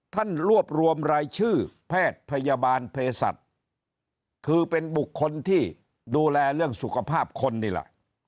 ท่านรวบรวมรายชื่อแพทย์พยาบาลเพศัตริย์คือเป็นบุคคลที่ดูแลเรื่องสุขภาพคนนี่แหละ